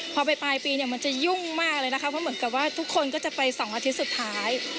พอไปปลายปีเนี่ยมันจะยุ่งมากเลยนะคะเพราะเหมือนกับว่าทุกคนก็จะไป๒อาทิตย์สุดท้าย